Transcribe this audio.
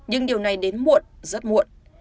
nhưng điều này đến muộn rất muộn